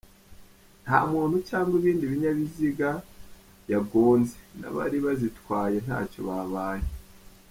Nta muntu cyangwa ibindi binyabiziga yagonze n’abari bazitwaye ntacyo babaye.